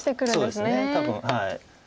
そうですね多分。